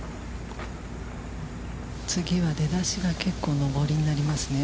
次は出だしが結構上りになりますね。